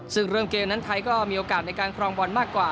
ซึ่งเริ่มเกมนั้นไทยก็มีโอกาสในการครองบอลมากกว่า